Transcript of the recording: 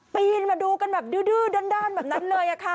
พี่ยินมาดูกันแบบหึดด้านเหมือนนั้นเลยค่ะ